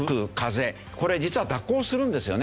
これ実は蛇行するんですよね。